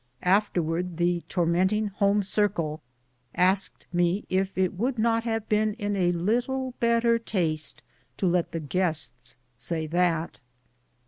Afterwards the tormenting home circle asked me if it would not have been in a little better taste to let the guests say that!